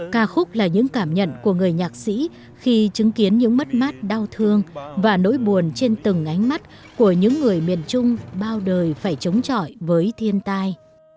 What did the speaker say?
ca khúc là những cảm nhận của người nhạc sĩ khi chứng kiến những mất mát đau thương và nỗi buồn trên từng ánh mắt của những người miền trung bao đời phải chống chọi với thiên tai